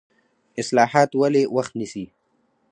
اصلاحات ولې وخت نیسي؟